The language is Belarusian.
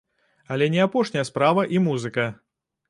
Але не апошняя справа і музыка.